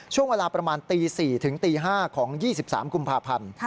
ช่วงเวลาประมาณตี๔ถึงตี๕ของ๒๓กุมภาพันธ์